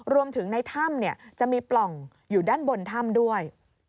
รวมถึงในถ้ำจะมีปล่องอยู่ด้านบนถ้ำด้วย